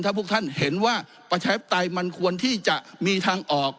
ถ้าพวกท่านเห็นว่าประชาธิปไตยมันควรที่จะมีทางออก